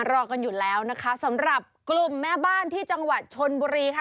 รอกันอยู่แล้วนะคะสำหรับกลุ่มแม่บ้านที่จังหวัดชนบุรีค่ะ